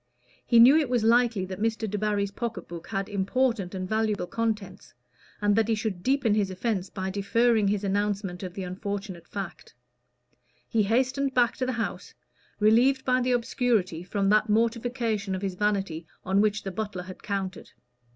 He knew it was likely that Mr. Debarry's pocket book had important and valuable contents, and that he should deepen his offence by deferring his announcement of the unfortunate fact. He hastened back to the house, relieved by the obscurity from that mortification of his vanity on which the butler had counted.